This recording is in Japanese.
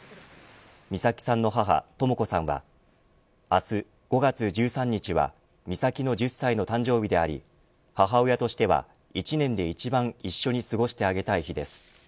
美咲さんの母、とも子さんは明日５月１３日は美咲の１０歳の誕生日であり母親としては１年で一番一緒に過ごしてあげたい日です。